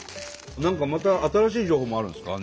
何かまた新しい情報もあるんですか？